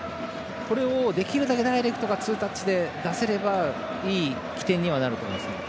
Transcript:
これをできるだけダイレクトがツータッチで出せればいい起点になると思います。